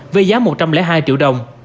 với giá một trăm linh hai triệu đồng